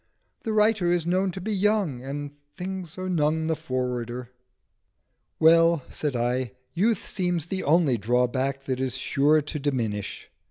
The writer is known to be young, and things are none the forwarder." "Well," said I, "youth seems the only drawback that is sure to diminish.